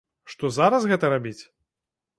Што зараз гэта рабіць?